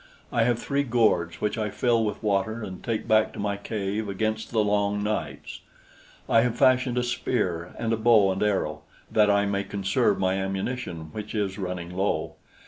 I have three gourds which I fill with water and take back to my cave against the long nights. I have fashioned a spear and a bow and arrow, that I may conserve my ammunition, which is running low.